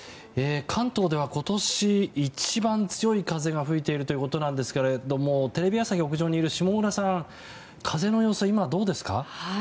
関東では今年一番強い風が吹いているということなんですけれどもテレビ朝日屋上にいる下村さん風の様子は今、どうですか？